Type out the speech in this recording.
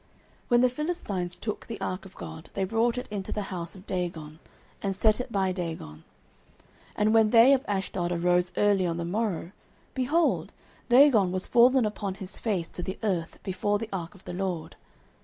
09:005:002 When the Philistines took the ark of God, they brought it into the house of Dagon, and set it by Dagon. 09:005:003 And when they of Ashdod arose early on the morrow, behold, Dagon was fallen upon his face to the earth before the ark of the LORD.